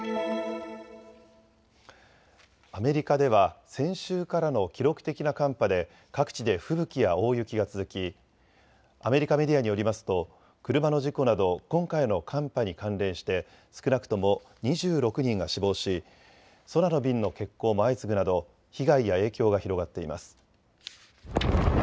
アメリカでは先週からの記録的な寒波で各地で吹雪や大雪が続きアメリカメディアによりますと車の事故など今回の寒波に関連して少なくとも２６人が死亡し、空の便の欠航も相次ぐなど被害や影響が広がっています。